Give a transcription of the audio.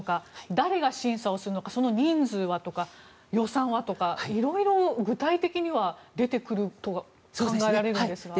誰が審査をするのかその人数とか予算はとかいろいろ具体的には出てくると考えられますが。